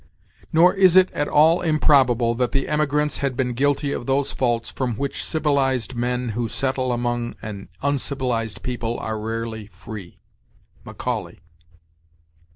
"'Nor is it at all improbable that the emigrants had been guilty of those faults from which civilized men who settle among an uncivilized people are rarely free.' Macaulay.